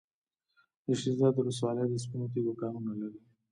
د شیرزاد ولسوالۍ د سپینو تیږو کانونه لري.